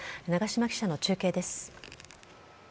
長島記者の中継です。